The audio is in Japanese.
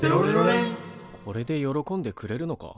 これで喜んでくれるのか？